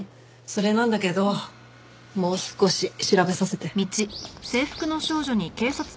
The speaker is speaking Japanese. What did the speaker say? それなんだけどもう少し調べさせて。